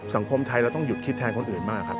สังคมไทยเราต้องหยุดคิดแทนคนอื่นมากครับ